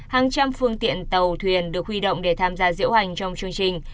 hàng trăm phương tiện tàu thuyền được huy động để tham gia diễu hành trong chương trình